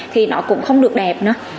thì nó cũng không được đẹp nữa